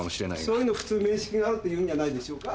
そういうのを普通「面識がある」と言うんじゃないでしょうか。